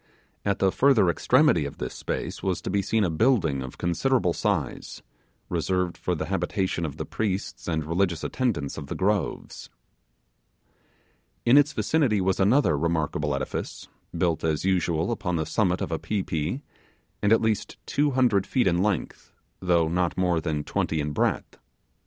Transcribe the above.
At the further extremity of this space was to be seen a building of considerable size, reserved for the habitation of the priests and religious attendants of the groves. In its vicinity was another remarkable edifice, built as usual upon the summit of a pi pi, and at least two hundred feet in length, though not more than twenty in breadth.